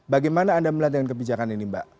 bagaimana anda melihat dengan kebijakan ini mbak